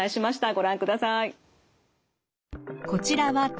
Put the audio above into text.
ご覧ください。